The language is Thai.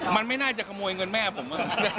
มันไม่น่าจะขโมยเงินแม่ผม